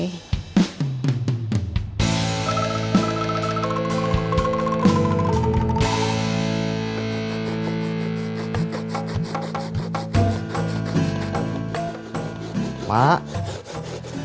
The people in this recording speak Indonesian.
sampai jumpa lagi